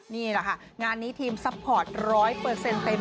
นี่แหละค่ะงานนี้ทีมซัพพอร์ตร้อยเปิดเซ็นเต็ม